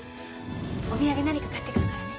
お土産何か買ってくるからね。